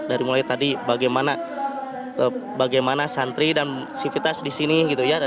dari mulai tadi bagaimana santri dan sivitas di sini gitu ya